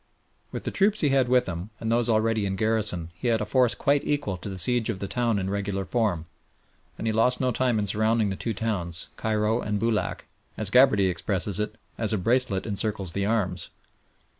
With the troops he had with him, and those already in garrison, he had a force quite equal to the siege of the town in regular form, and he lost no time in surrounding the two towns, Cairo and Boulac, as Gabarty expresses it, "as a bracelet encircles the arms."